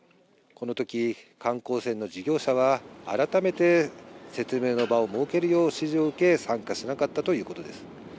このとき、観光船の事業者は、改めて説明の場を設けるよう指示を受け、参加しなかったということです。